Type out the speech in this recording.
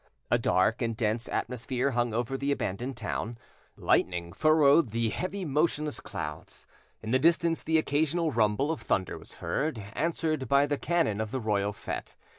A dark and dense atmosphere hung over the abandoned town; lightning furrowed the heavy motionless clouds; in the distance the occasional rumble of thunder was heard, answered by the cannon of the royal fete.